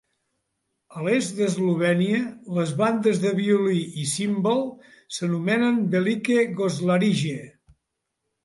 A l'est d'Eslovènia, les bandes de violí i címbal s'anomenen velike goslarije.